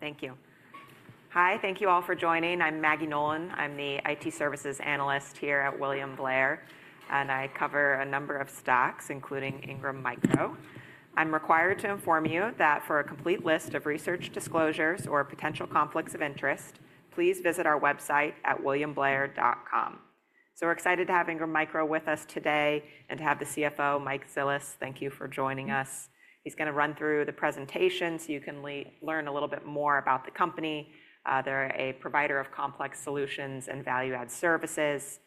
Good. Thank you. Hi, thank you all for joining. I'm Maggie Nolan. I'm the IT Services Analyst here at William Blair, and I cover a number of stocks, including Ingram Micro. I'm required to inform you that for a complete list of research disclosures or potential conflicts of interest, please visit our website at williamblair.com. We are excited to have Ingram Micro with us today and to have the CFO, Mike Zilis. Thank you for joining us. He's going to run through the presentation so you can learn a little bit more about the company. They are a provider of complex solutions and value-add services.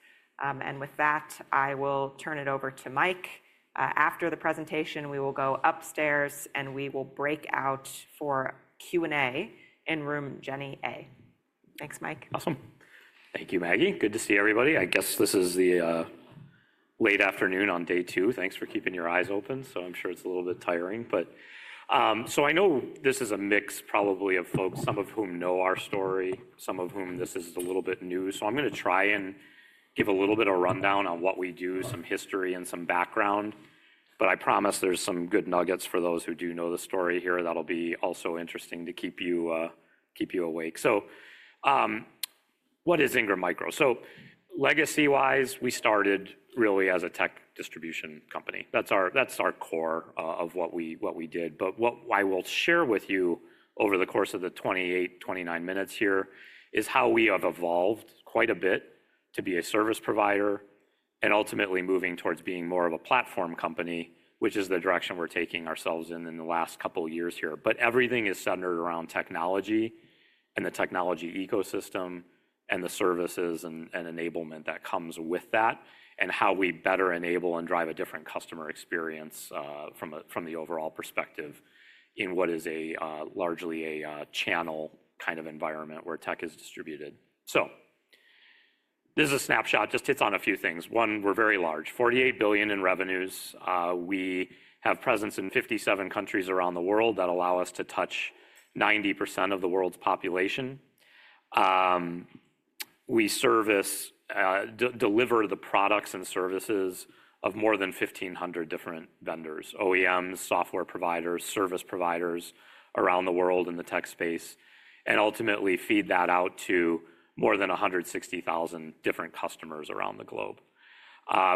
With that, I will turn it over to Mike. After the presentation, we will go upstairs and we will break out for Q&A in room Jenny A. Thanks, Mike. Awesome. Thank you, Maggie. Good to see everybody. I guess this is the late afternoon on day two. Thanks for keeping your eyes open. I'm sure it's a little bit tiring. I know this is a mix probably of folks, some of whom know our story, some of whom this is a little bit new. I'm going to try and give a little bit of rundown on what we do, some history and some background. I promise there's some good nuggets for those who do know the story here. That'll be also interesting to keep you awake. What is Ingram Micro? Legacy-wise, we started really as a tech distribution company. That's our core of what we did. What I will share with you over the course of the 28, 29 minutes here is how we have evolved quite a bit to be a service provider and ultimately moving towards being more of a platform company, which is the direction we're taking ourselves in in the last couple of years here. Everything is centered around technology and the technology ecosystem and the services and enablement that comes with that and how we better enable and drive a different customer experience from the overall perspective in what is largely a channel kind of environment where tech is distributed. This is a snapshot. Just hits on a few things. One, we're very large, $48 billion in revenues. We have presence in 57 countries around the world that allow us to touch 90% of the world's population. We deliver the products and services of more than 1,500 different vendors, OEMs, software providers, service providers around the world in the tech space, and ultimately feed that out to more than 160,000 different customers around the globe.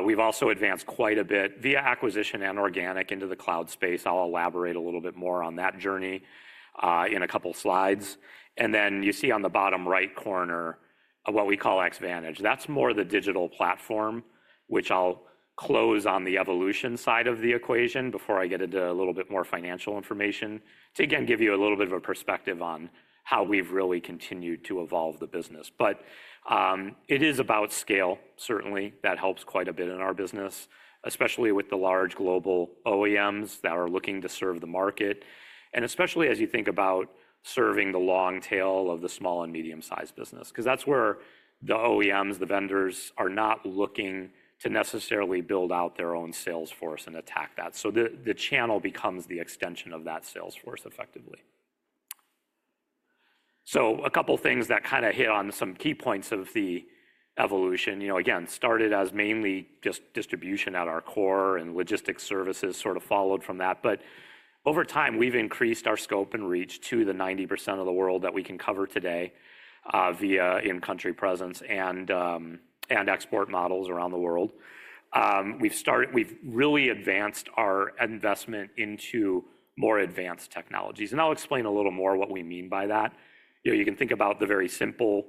We've also advanced quite a bit via acquisition and organic into the cloud space. I'll elaborate a little bit more on that journey in a couple of slides. You see on the bottom right corner what we call Xvantage. That's more the digital platform, which I'll close on the evolution side of the equation before I get into a little bit more financial information to, again, give you a little bit of a perspective on how we've really continued to evolve the business. It is about scale, certainly. That helps quite a bit in our business, especially with the large global OEMs that are looking to serve the market, especially as you think about serving the long tail of the small and medium-sized business, because that's where the OEMs, the vendors are not looking to necessarily build out their own sales force and attack that. The channel becomes the extension of that sales force effectively. A couple of things that kind of hit on some key points of the evolution. Again, started as mainly just distribution at our core and logistics services sort of followed from that. Over time, we've increased our scope and reach to the 90% of the world that we can cover today via in-country presence and export models around the world. We've really advanced our investment into more advanced technologies. I'll explain a little more what we mean by that. You can think about the very simple,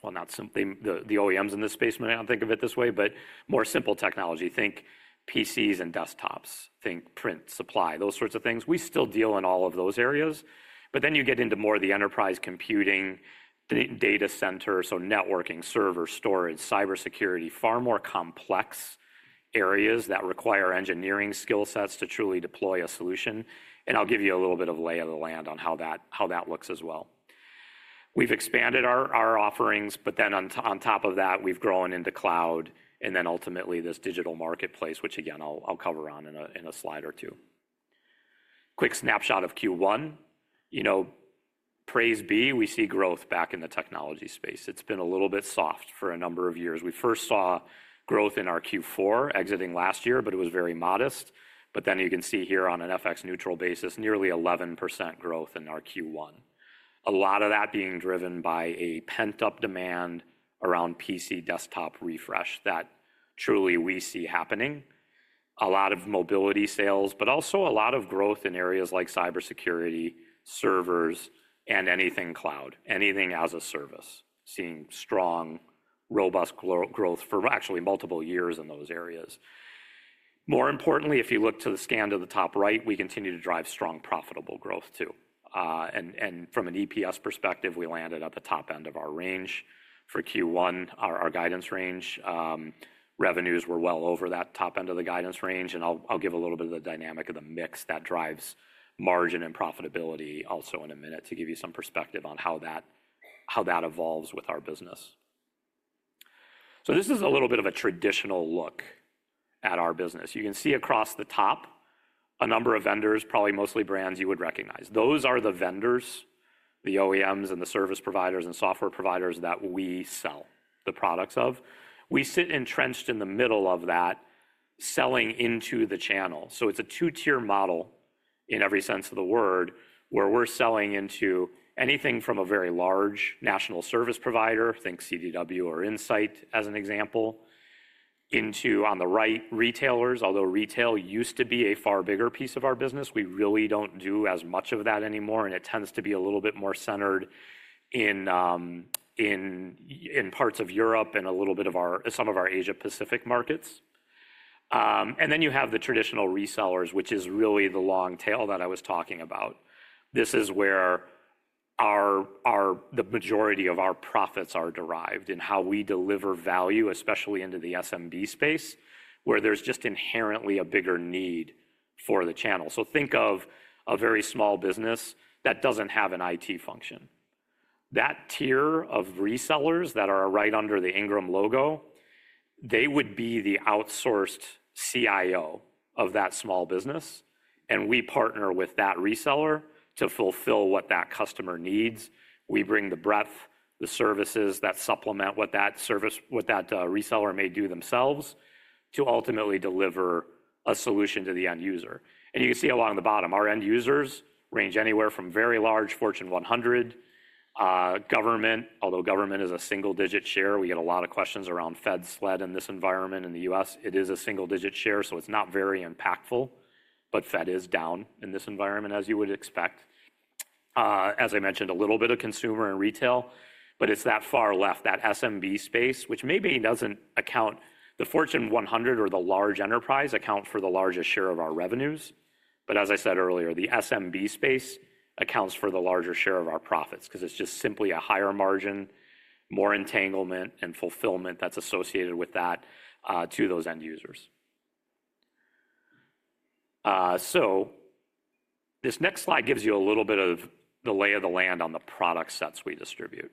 well, not simply, the OEMs in this space, maybe I do not think of it this way, but more simple technology. Think PCs and desktops, think print supply, those sorts of things. We still deal in all of those areas. Then you get into more of the enterprise computing, data center, so networking, server storage, cybersecurity, far more complex areas that require engineering skill sets to truly deploy a solution. I'll give you a little bit of lay of the land on how that looks as well. We've expanded our offerings, but then on top of that, we've grown into cloud and then ultimately this digital marketplace, which, again, I'll cover on in a slide or two. Quick snapshot of Q1. Praise be, we see growth back in the technology space. It's been a little bit soft for a number of years. We first saw growth in our Q4 exiting last year, but it was very modest. You can see here on an FX neutral basis, nearly 11% growth in our Q1. A lot of that being driven by a pent-up demand around PC desktop refresh that truly we see happening. A lot of mobility sales, but also a lot of growth in areas like cybersecurity, servers, and anything cloud, anything as a service, seeing strong, robust growth for actually multiple years in those areas. More importantly, if you look to the scan to the top right, we continue to drive strong, profitable growth too. From an EPS perspective, we landed at the top end of our range for Q1, our guidance range. Revenues were well over that top end of the guidance range. I'll give a little bit of the dynamic of the mix that drives margin and profitability also in a minute to give you some perspective on how that evolves with our business. This is a little bit of a traditional look at our business. You can see across the top a number of vendors, probably mostly brands you would recognize. Those are the vendors, the OEMs and the service providers and software providers that we sell the products of. We sit entrenched in the middle of that selling into the channel. It is a two-tier model in every sense of the word where we're selling into anything from a very large national service provider, think CDW or Insight as an example, into, on the right, retailers. Although retail used to be a far bigger piece of our business, we really do not do as much of that anymore. It tends to be a little bit more centered in parts of Europe and a little bit of some of our Asia-Pacific markets. You have the traditional resellers, which is really the long tail that I was talking about. This is where the majority of our profits are derived in how we deliver value, especially into the SMB space, where there is just inherently a bigger need for the channel. Think of a very small business that does not have an IT function. That tier of resellers that are right under the Ingram Micro logo would be the outsourced CIO of that small business. We partner with that reseller to fulfill what that customer needs. We bring the breadth, the services that supplement what that reseller may do themselves to ultimately deliver a solution to the end user. You can see along the bottom, our end users range anywhere from very large Fortune 100, government, although government is a single-digit share. We get a lot of questions around Fed's sled in this environment in the U.S. It is a single-digit share, so it's not very impactful, but Fed is down in this environment, as you would expect. As I mentioned, a little bit of consumer and retail, but it's that far left, that SMB space, which maybe does not account for the Fortune 100 or the large enterprise account for the largest share of our revenues. As I said earlier, the SMB space accounts for the larger share of our profits because it's just simply a higher margin, more entanglement and fulfillment that's associated with that to those end users. This next slide gives you a little bit of the lay of the land on the product sets we distribute.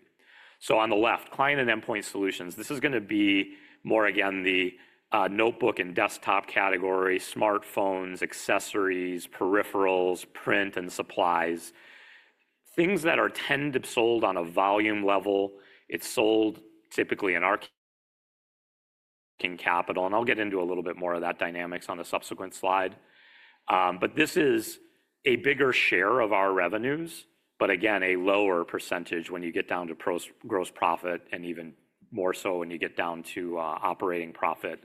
On the left, client and endpoint solutions, this is going to be more again the notebook and desktop category, smartphones, accessories, peripherals, print and supplies, things that tend to be sold on a volume level. It is sold typically in our capital. I will get into a little bit more of that dynamics on the subsequent slide. This is a bigger share of our revenues, but again, a lower percentage when you get down to gross profit and even more so when you get down to operating profit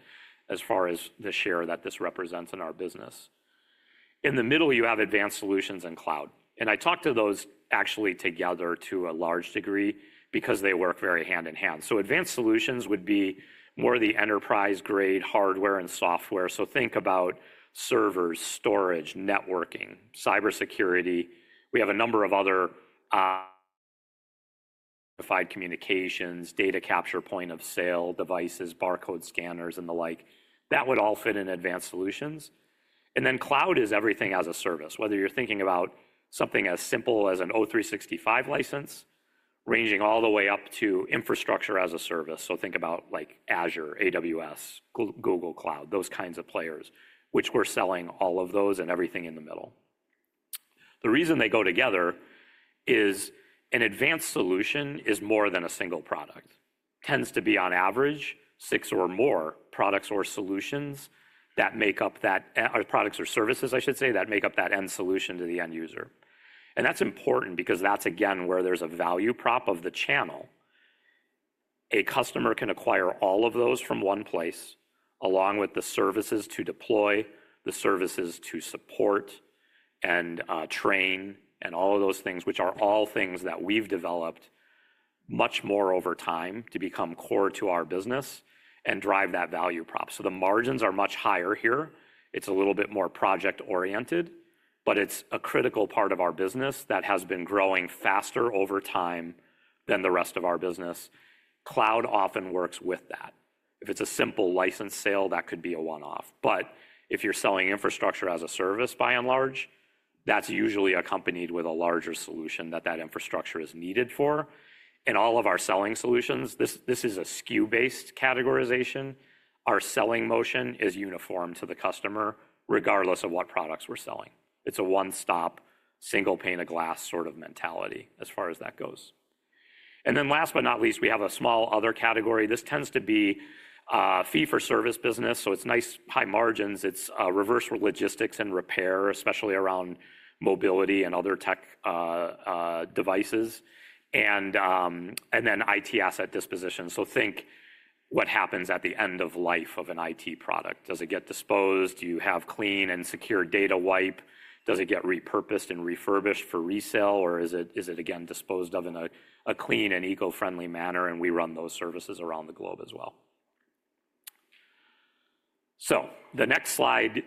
as far as the share that this represents in our business. In the middle, you have advanced solutions and cloud. I talk to those actually together to a large degree because they work very hand in hand. Advanced solutions would be more of the enterprise-grade hardware and software. Think about servers, storage, networking, cybersecurity. We have a number of other defined communications, data capture, point of sale devices, barcode scanners, and the like. That would all fit in advanced solutions. Cloud is everything as a service, whether you're thinking about something as simple as an O365 license ranging all the way up to infrastructure as a service. Think about Azure, AWS, Google Cloud, those kinds of players, which we're selling all of those and everything in the middle. The reason they go together is an advanced solution is more than a single product. Tends to be on average six or more products or solutions that make up that products or services, I should say, that make up that end solution to the end user. That is important because that is, again, where there is a value prop of the channel. A customer can acquire all of those from one place along with the services to deploy, the services to support and train, and all of those things, which are all things that we have developed much more over time to become core to our business and drive that value prop. The margins are much higher here. It is a little bit more project-oriented, but it is a critical part of our business that has been growing faster over time than the rest of our business. Cloud often works with that. If it is a simple license sale, that could be a one-off. If you are selling infrastructure as a service, by and large, that is usually accompanied with a larger solution that that infrastructure is needed for. All of our selling solutions, this is a SKU-based categorization. Our selling motion is uniform to the customer regardless of what products we're selling. It's a one-stop, single pane of glass sort of mentality as far as that goes. Last but not least, we have a small other category. This tends to be fee-for-service business. It is nice high margins. It is reverse logistics and repair, especially around mobility and other tech devices, and then IT asset disposition. Think what happens at the end of life of an IT product. Does it get disposed? Do you have clean and secure data wipe? Does it get repurposed and refurbished for resale? Or is it, again, disposed of in a clean and eco-friendly manner? We run those services around the globe as well. The next slide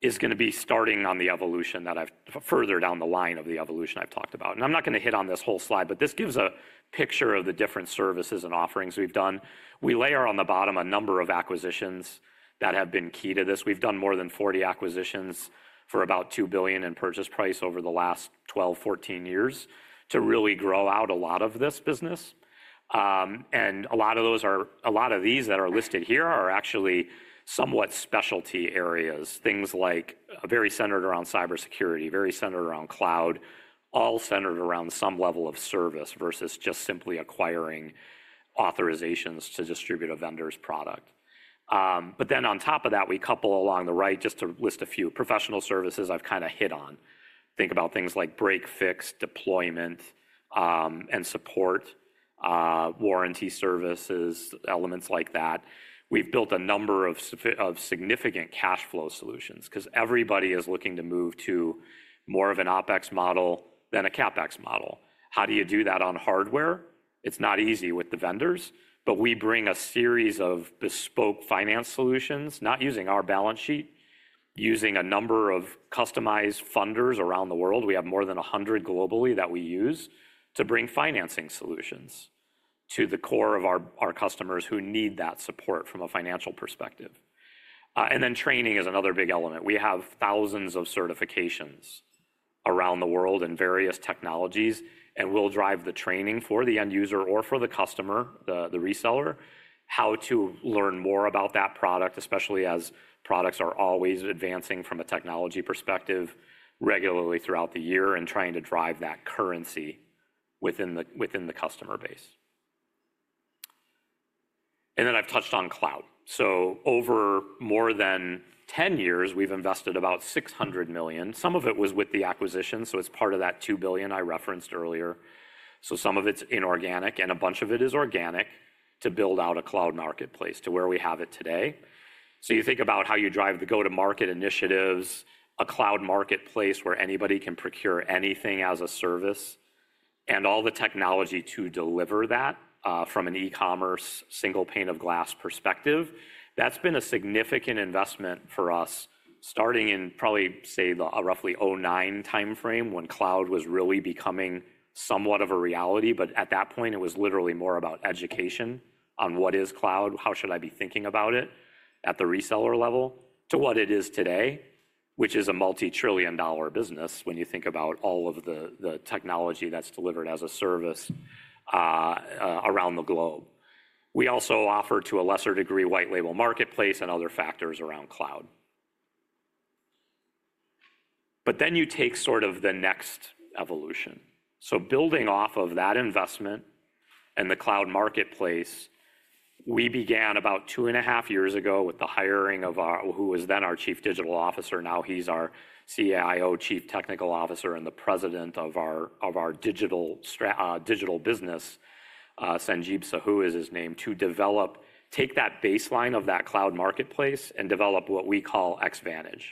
is going to be starting on the evolution that I have further down the line of the evolution I have talked about. I'm not going to hit on this whole slide, but this gives a picture of the different services and offerings we've done. We layer on the bottom a number of acquisitions that have been key to this. We've done more than 40 acquisitions for about $2 billion in purchase price over the last 12, 14 years to really grow out a lot of this business. A lot of those, a lot of these that are listed here, are actually somewhat specialty areas, things like very centered around cybersecurity, very centered around cloud, all centered around some level of service versus just simply acquiring authorizations to distribute a vendor's product. On top of that, we couple along the right, just to list a few professional services I've kind of hit on. Think about things like break fix, deployment and support, warranty services, elements like that. We've built a number of significant cash flow solutions because everybody is looking to move to more of an OpEx model than a CapEx model. How do you do that on hardware? It's not easy with the vendors, but we bring a series of bespoke finance solutions, not using our balance sheet, using a number of customized funders around the world. We have more than 100 globally that we use to bring financing solutions to the core of our customers who need that support from a financial perspective. Training is another big element. We have thousands of certifications around the world in various technologies, and we'll drive the training for the end user or for the customer, the reseller, how to learn more about that product, especially as products are always advancing from a technology perspective regularly throughout the year and trying to drive that currency within the customer base. I have touched on cloud. Over more than 10 years, we've invested about $600 million. Some of it was with the acquisition, so it's part of that $2 billion I referenced earlier. Some of it's inorganic, and a bunch of it is organic to build out a cloud marketplace to where we have it today. You think about how you drive the go-to-market initiatives, a cloud marketplace where anybody can procure anything as a service, and all the technology to deliver that from an e-commerce single pane of glass perspective. That's been a significant investment for us starting in probably say roughly 2009 timeframe when cloud was really becoming somewhat of a reality. At that point, it was literally more about education on what is cloud, how should I be thinking about it at the reseller level to what it is today, which is a multi-trillion dollar business when you think about all of the technology that's delivered as a service around the globe. We also offer to a lesser degree white label marketplace and other factors around cloud. You take sort of the next evolution. Building off of that investment and the cloud marketplace, we began about two and a half years ago with the hiring of our, who was then our Chief Digital Officer. Now he's our CIO, Chief Technical Officer, and the President of our digital business, Sanjib Sahoo is his name, to develop, take that baseline of that cloud marketplace and develop what we call Xvantage.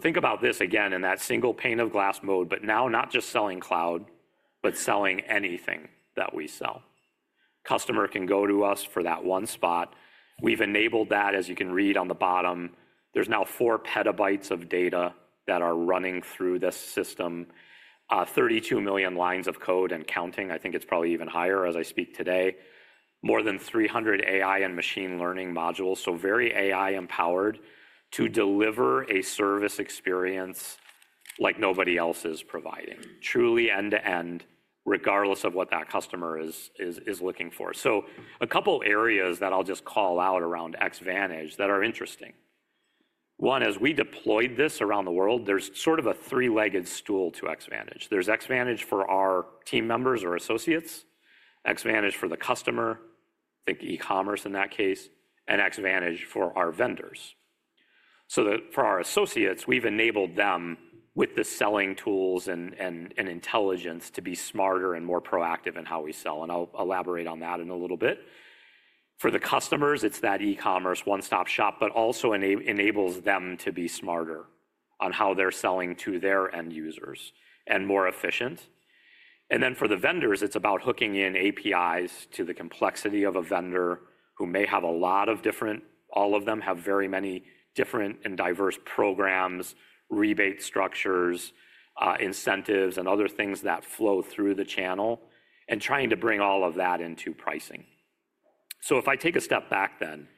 Think about this again in that single pane of glass mode, but now not just selling cloud, but selling anything that we sell. Customer can go to us for that one spot. We've enabled that, as you can read on the bottom. There's now four petabytes of data that are running through this system, 32 million lines of code and counting. I think it's probably even higher as I speak today. More than 300 AI and machine learning modules. Very AI empowered to deliver a service experience like nobody else is providing, truly end to end, regardless of what that customer is looking for. A couple of areas that I'll just call out around Xvantage that are interesting. One, as we deployed this around the world, there's sort of a three-legged stool to Xvantage. There's Xvantage for our team members or associates, Xvantage for the customer, think e-commerce in that case, and Xvantage for our vendors. For our associates, we've enabled them with the selling tools and intelligence to be smarter and more proactive in how we sell. I'll elaborate on that in a little bit. For the customers, it's that e-commerce one-stop shop, but also enables them to be smarter on how they're selling to their end users and more efficient. For the vendors, it's about hooking in APIs to the complexity of a vendor who may have a lot of different—all of them have very many different and diverse programs, rebate structures, incentives, and other things that flow through the channel and trying to bring all of that into pricing. If I take a step back then,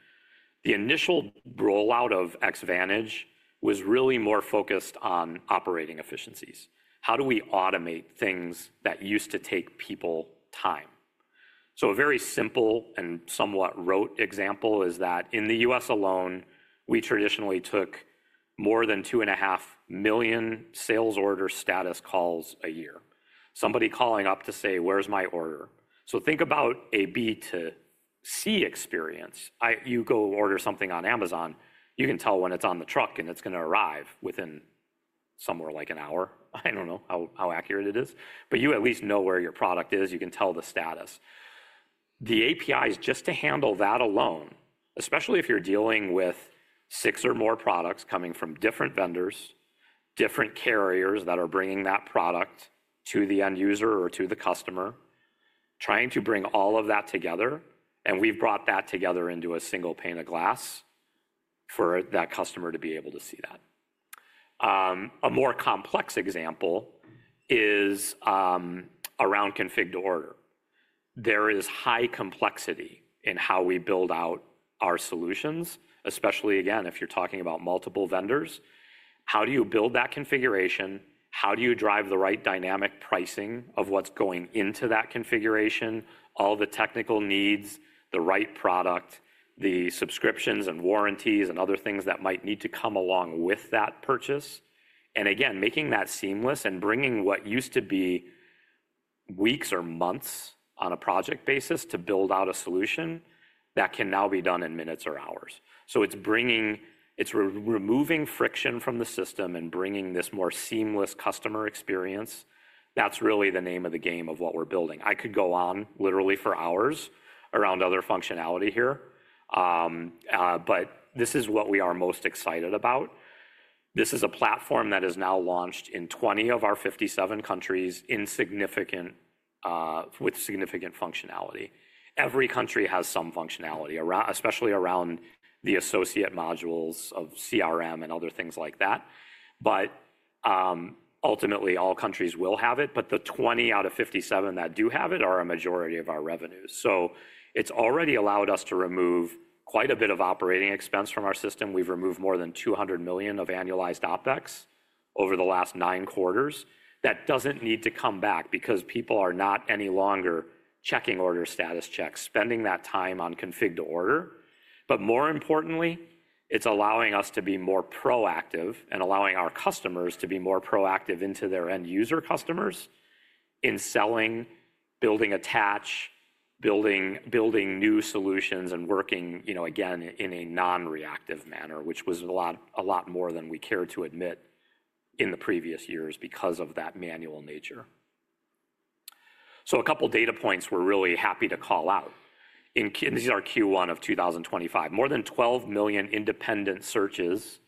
the initial rollout of Xvantage was really more focused on operating efficiencies. How do we automate things that used to take people time? A very simple and somewhat rote example is that in the U.S. alone, we traditionally took more than 2.5 million sales order status calls a year. Somebody calling up to say, "Where's my order?" Think about a B2C experience. You go order something on Amazon, you can tell when it's on the truck and it's going to arrive within somewhere like an hour. I don't know how accurate it is, but you at least know where your product is. You can tell the status. The APIs just to handle that alone, especially if you're dealing with six or more products coming from different vendors, different carriers that are bringing that product to the end user or to the customer, trying to bring all of that together. We have brought that together into a single pane of glass for that customer to be able to see that. A more complex example is around config to order. There is high complexity in how we build out our solutions, especially again, if you're talking about multiple vendors. How do you build that configuration? How do you drive the right dynamic pricing of what's going into that configuration, all the technical needs, the right product, the subscriptions and warranties and other things that might need to come along with that purchase? Again, making that seamless and bringing what used to be weeks or months on a project basis to build out a solution that can now be done in minutes or hours. It's removing friction from the system and bringing this more seamless customer experience. That's really the name of the game of what we're building. I could go on literally for hours around other functionality here, but this is what we are most excited about. This is a platform that is now launched in 20 of our 57 countries with significant functionality. Every country has some functionality, especially around the associate modules of CRM and other things like that. Ultimately, all countries will have it. The 20 out of 57 that do have it are a majority of our revenues. It has already allowed us to remove quite a bit of operating expense from our system. We have removed more than $200 million of annualized OpEx over the last nine quarters. That does not need to come back because people are not any longer checking order status checks, spending that time on config to order. More importantly, it is allowing us to be more proactive and allowing our customers to be more proactive into their end user customers in selling, building attach, building new solutions, and working again in a non-reactive manner, which was a lot more than we cared to admit in previous years because of that manual nature. A couple of data points we are really happy to call out. These are Q1 of 2025. More than 12 million independent searches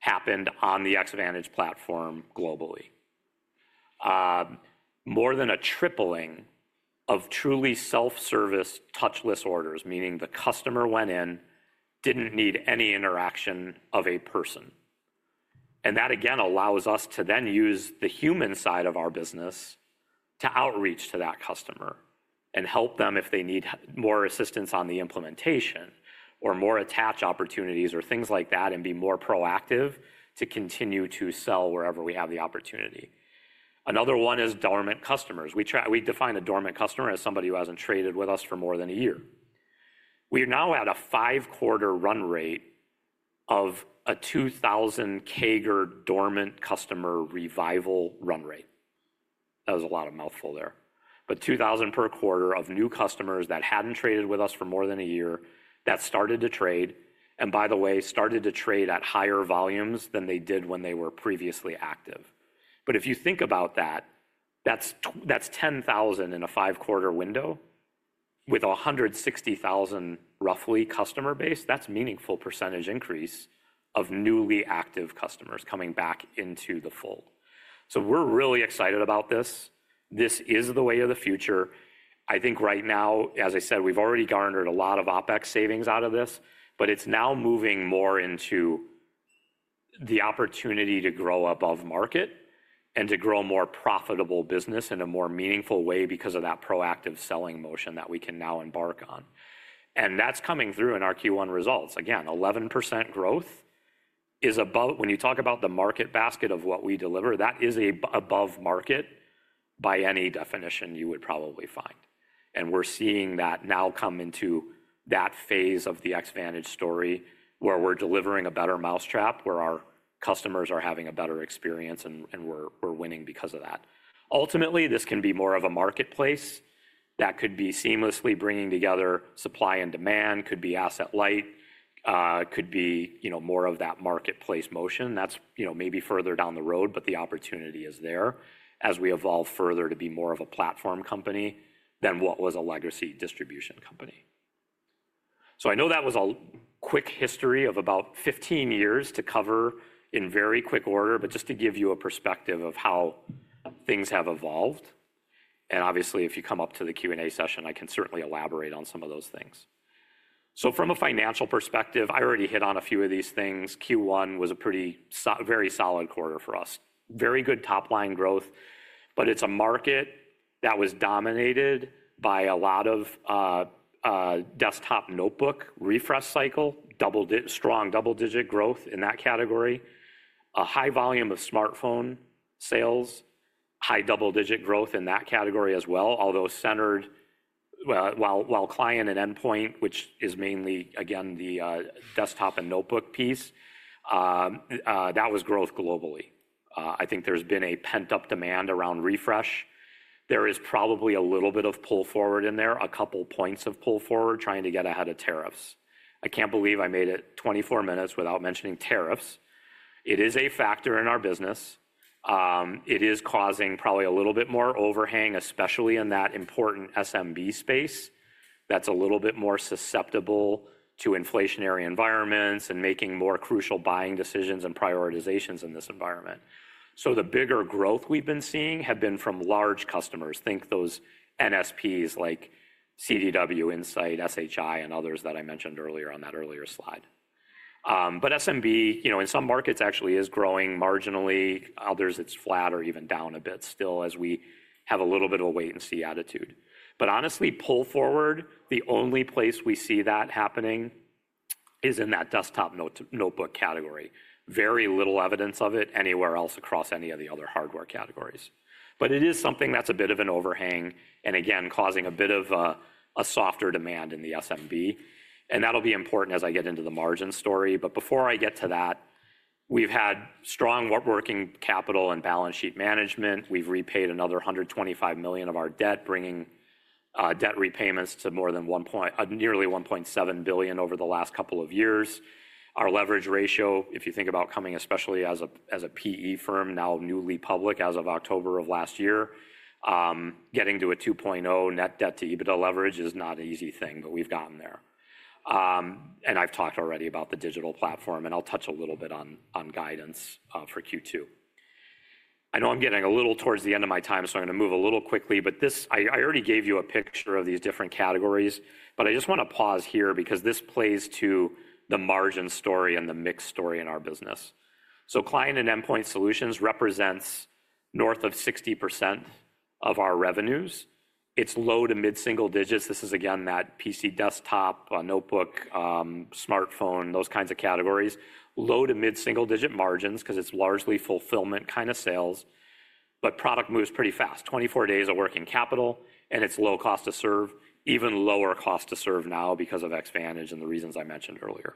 happened on the Xvantage platform globally. More than a tripling of truly self-service touchless orders, meaning the customer went in, did not need any interaction of a person. That, again, allows us to then use the human side of our business to outreach to that customer and help them if they need more assistance on the implementation or more attach opportunities or things like that and be more proactive to continue to sell wherever we have the opportunity. Another one is dormant customers. We define a dormant customer as somebody who has not traded with us for more than a year. We now have a five-quarter run rate of a 2,000 CAGR dormant customer revival run rate. That was a lot of mouthful there. But 2,000 per quarter of new customers that had not traded with us for more than a year that started to trade. By the way, started to trade at higher volumes than they did when they were previously active. If you think about that, that's 10,000 in a five-quarter window with a 160,000 roughly customer base. That's a meaningful percentage increase of newly active customers coming back into the fold. We're really excited about this. This is the way of the future. I think right now, as I said, we've already garnered a lot of OpEx savings out of this, but it's now moving more into the opportunity to grow above market and to grow more profitable business in a more meaningful way because of that proactive selling motion that we can now embark on. That's coming through in our Q1 results. Again, 11% growth is above when you talk about the market basket of what we deliver, that is above market by any definition you would probably find. We're seeing that now come into that phase of the Xvantage story where we're delivering a better mousetrap, where our customers are having a better experience, and we're winning because of that. Ultimately, this can be more of a marketplace that could be seamlessly bringing together supply and demand, could be asset light, could be more of that marketplace motion. That is maybe further down the road, but the opportunity is there as we evolve further to be more of a platform company than what was a legacy distribution company. I know that was a quick history of about 15 years to cover in very quick order, but just to give you a perspective of how things have evolved. Obviously, if you come up to the Q&A session, I can certainly elaborate on some of those things. From a financial perspective, I already hit on a few of these things. Q1 was a pretty very solid quarter for us. Very good top-line growth, but it's a market that was dominated by a lot of desktop notebook refresh cycle, strong double-digit growth in that category. A high volume of smartphone sales, high double-digit growth in that category as well, although centered while client and endpoint, which is mainly, again, the desktop and notebook piece, that was growth globally. I think there's been a pent-up demand around refresh. There is probably a little bit of pull forward in there, a couple points of pull forward trying to get ahead of tariffs. I can't believe I made it 24 minutes without mentioning tariffs. It is a factor in our business. It is causing probably a little bit more overhang, especially in that important SMB space that's a little bit more susceptible to inflationary environments and making more crucial buying decisions and prioritizations in this environment. The bigger growth we've been seeing has been from large customers. Think those NSPs like CDW, Insight, SHI, and others that I mentioned earlier on that earlier slide. SMB, in some markets, actually is growing marginally. Others, it's flat or even down a bit still as we have a little bit of a wait-and-see attitude. Honestly, pull forward, the only place we see that happening is in that desktop notebook category. Very little evidence of it anywhere else across any of the other hardware categories. It is something that's a bit of an overhang and again, causing a bit of a softer demand in the SMB. That'll be important as I get into the margin story. Before I get to that, we've had strong working capital and balance sheet management. We've repaid another $125 million of our debt, bringing debt repayments to more than nearly $1.7 billion over the last couple of years. Our leverage ratio, if you think about coming, especially as a PE firm, now newly public as of October of last year, getting to a 2.0 net debt to EBITDA leverage is not an easy thing, but we've gotten there. I've talked already about the digital platform, and I'll touch a little bit on guidance for Q2. I know I'm getting a little towards the end of my time, so I'm going to move a little quickly, but I already gave you a picture of these different categories. I just want to pause here because this plays to the margin story and the mix story in our business. Client and endpoint solutions represents north of 60% of our revenues. It is low to mid-single digits. This is again that PC desktop, notebook, smartphone, those kinds of categories. Low to mid-single digit margins because it is largely fulfillment kind of sales. Product moves pretty fast. Twenty-four days of working capital, and it is low cost to serve, even lower cost to serve now because of Xvantage and the reasons I mentioned earlier.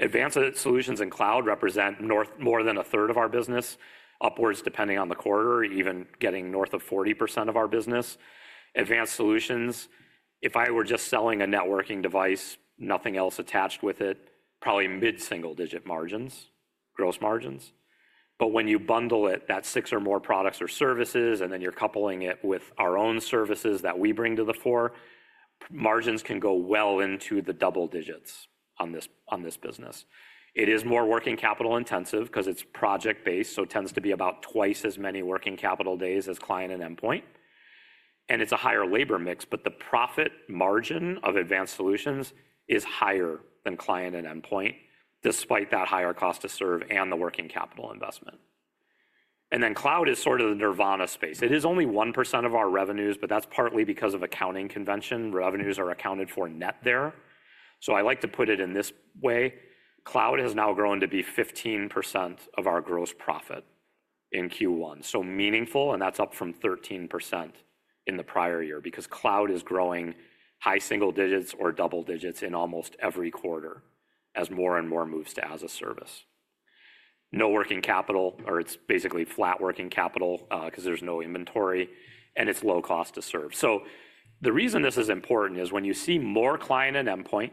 Advanced solutions and cloud represent north, more than 1/3 of our business, upwards depending on the quarter, even getting north of 40% of our business. Advanced solutions, if I were just selling a networking device, nothing else attached with it, probably mid-single digit margins, gross margins. When you bundle it, that six or more products or services, and then you're coupling it with our own services that we bring to the fore, margins can go well into the double digits on this business. It is more working capital intensive because it's project-based, so it tends to be about twice as many working capital days as client and endpoint. It is a higher labor mix, but the profit margin of advanced solutions is higher than client and endpoint, despite that higher cost to serve and the working capital investment. Cloud is sort of the Nirvana space. It is only 1% of our revenues, but that's partly because of accounting convention. Revenues are accounted for net there. I like to put it in this way. Cloud has now grown to be 15% of our gross profit in Q1. Meaningful, and that's up from 13% in the prior year because cloud is growing high single digits or double digits in almost every quarter as more and more moves to as a service. No working capital, or it's basically flat working capital because there's no inventory, and it's low cost to serve. The reason this is important is when you see more client and endpoint,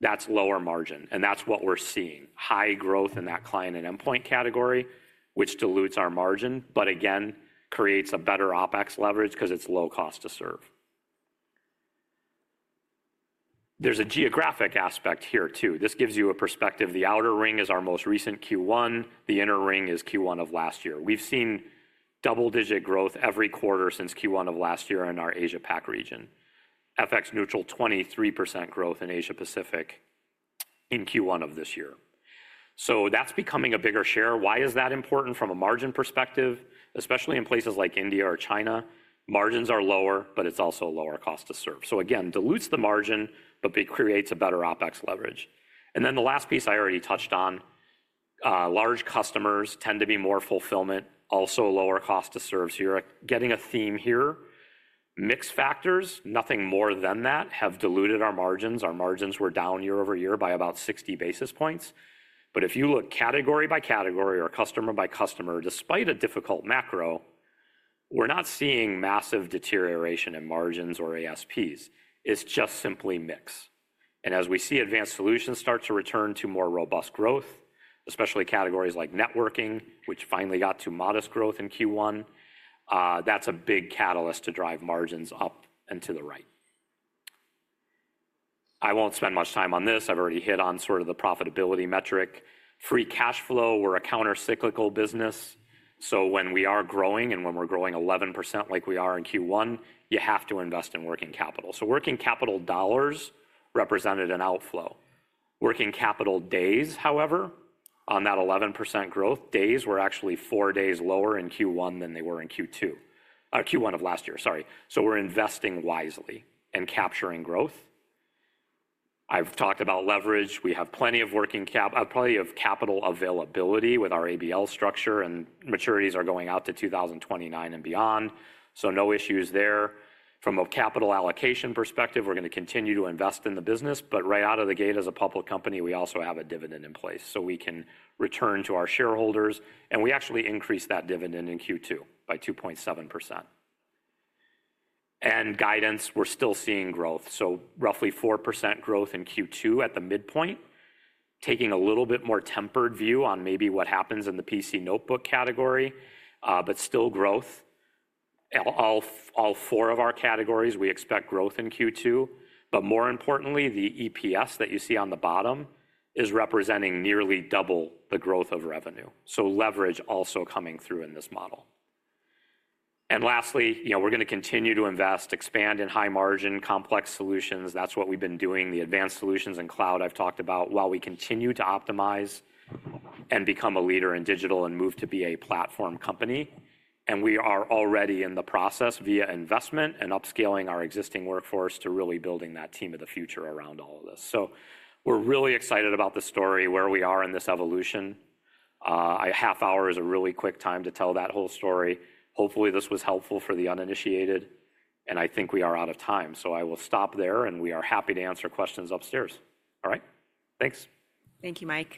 that's lower margin, and that's what we're seeing. High growth in that client and endpoint category, which dilutes our margin, but again, creates a better OpEx leverage because it's low cost to serve. There's a geographic aspect here too. This gives you a perspective. The outer ring is our most recent Q1. The inner ring is Q1 of last year. We've seen double-digit growth every quarter since Q1 of last year in our Asia-Pacific region. FX-neutral 23% growth in Asia-Pacific in Q1 of this year. That is becoming a bigger share. Why is that important from a margin perspective? Especially in places like India or China, margins are lower, but it is also lower cost to serve. Again, dilutes the margin, but it creates a better OpEx leverage. The last piece I already touched on, large customers tend to be more fulfillment, also lower cost to serve. You are getting a theme here. Mixed factors, nothing more than that, have diluted our margins. Our margins were down year over year by about 60 basis points. If you look category by category or customer by customer, despite a difficult macro, we are not seeing massive deterioration in margins or ASPs. It is just simply mix. As we see advanced solutions start to return to more robust growth, especially categories like networking, which finally got to modest growth in Q1, that is a big catalyst to drive margins up and to the right. I will not spend much time on this. I have already hit on sort of the profitability metric. Free cash flow, we are a countercyclical business. When we are growing and when we are growing 11% like we are in Q1, you have to invest in working capital. Working capital dollars represented an outflow. Working capital days, however, on that 11% growth, days were actually four days lower in Q1 than they were in Q1 of last year. Sorry. We are investing wisely and capturing growth. I have talked about leverage. We have plenty of working capital, plenty of capital availability with our ABL structure, and maturities are going out to 2029 and beyond. No issues there. From a capital allocation perspective, we're going to continue to invest in the business, but right out of the gate as a public company, we also have a dividend in place so we can return to our shareholders. We actually increased that dividend in Q2 by 2.7%. Guidance, we're still seeing growth. Roughly 4% growth in Q2 at the midpoint, taking a little bit more tempered view on maybe what happens in the PC notebook category, but still growth. All four of our categories, we expect growth in Q2, but more importantly, the EPS that you see on the bottom is representing nearly double the growth of revenue. Leverage also coming through in this model. Lastly, we're going to continue to invest, expand in high-margin complex solutions. That's what we've been doing, the advanced solutions and cloud I've talked about while we continue to optimize and become a leader in digital and move to be a platform company. We are already in the process via investment and upscaling our existing workforce to really building that team of the future around all of this. We are really excited about the story where we are in this evolution. A half hour is a really quick time to tell that whole story. Hopefully, this was helpful for the uninitiated. I think we are out of time. I will stop there, and we are happy to answer questions upstairs. All right? Thanks. Thank you, Mike.